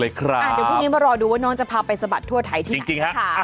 เดี๋ยวพรุ่งนี้มารอดูว่าน้องจะพาไปสะบัดทั่วไทยที่ไหนจริงฮะ